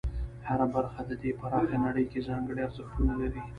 هره برخه د دې پراخه نړۍ کې ځانګړي ارزښتونه لري.